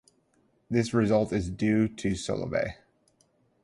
This result is due to Solovay.